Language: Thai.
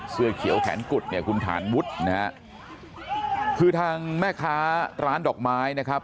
เสื้อเขียวแขนกุดเนี่ยคุณฐานวุฒินะฮะคือทางแม่ค้าร้านดอกไม้นะครับ